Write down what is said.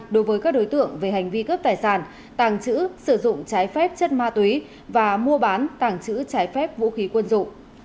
đối với các đối tượng về hành vi cướp tài sản tàng trữ sử dụng trái phép chất ma túy và mua bán tàng trữ trái phép vũ khí quân dụng